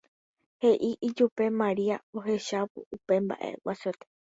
he'i ijupe Maria ohechávo upe mba'e guasuete.